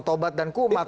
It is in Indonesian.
tobat dan kumat